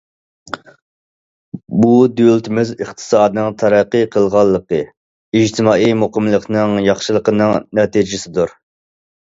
بۇ دۆلىتىمىز ئىقتىسادىنىڭ تەرەققىي قىلغانلىقى، ئىجتىمائىي مۇقىملىقنىڭ ياخشىلىقىنىڭ نەتىجىسىدۇر.